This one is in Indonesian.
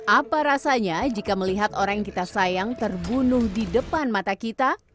apa rasanya jika melihat orang yang kita sayang terbunuh di depan mata kita